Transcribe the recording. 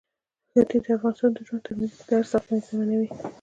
ښتې د افغانانو د ژوند طرز اغېزمنوي.